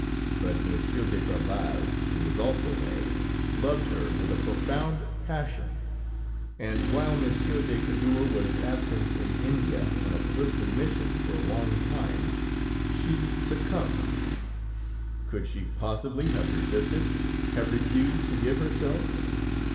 But Monsieur d'Apreval, who was also married, loved her with a profound passion, and while Monsieur de Cadour was absent in India, on a political mission for a long time, she succumbed. Could she possibly have resisted, have refused to give herself?